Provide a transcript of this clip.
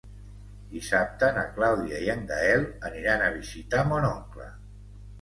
Dissabte na Clàudia i en Gaël aniran a visitar mon oncle.